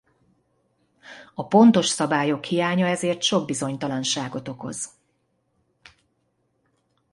A pontos szabályok hiánya ezért sok bizonytalanságot okoz.